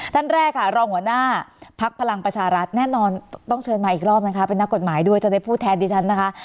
ท่านแรกค่ะรองหัวหน้าพักพลังประชารัฐแน่นอนต้องเชิญมาอีกรอบนะคะเป็นนักกฎหมายด้วยจะได้พูดแทนดิฉันนะคะ